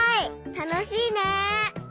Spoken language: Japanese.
たのしいね！